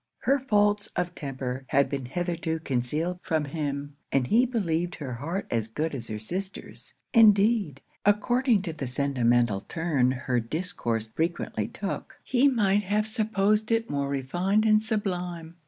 Her faults of temper had been hitherto concealed from him, and he believed her heart as good as her sister's; indeed, according to the sentimental turn her discourse frequently took, he might have supposed it more refined and sublime.